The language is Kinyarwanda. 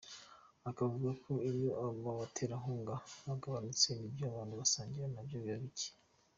Akavuga ko iyo aba baterankunga bagabanutse n’ibyo abantu basangira nabyo biba bike.